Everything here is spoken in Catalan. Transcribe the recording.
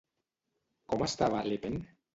Com estava Le Pen?